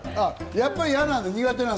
やっぱり嫌なんだ。